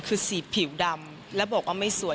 คือสีผิวดำแล้วบอกว่าไม่สวย